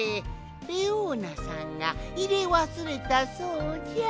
レオーナさんがいれわすれたそうじゃ。